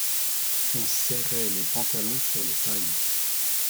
On serrait les pantalons sur les tailles.